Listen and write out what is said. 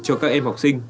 cho các em